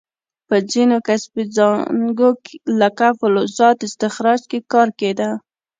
په ځینو کسبي څانګو لکه فلزاتو استخراج کې کار کیده.